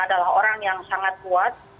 adalah orang yang sangat kuat